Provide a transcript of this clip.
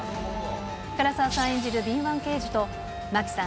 唐沢さん演じる敏腕刑事と、真木さん